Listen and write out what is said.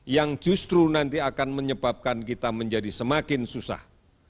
yang justru nanti akan menyebabkan kita menjadi semakin susah